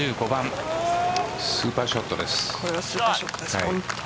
これはスーパーショットです